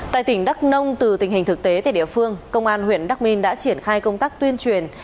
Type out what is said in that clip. tại tỉnh đắk nông từ tình hình thực tế tại địa phương công an huyện đắk minh đã triển khai công tác tuyên truyền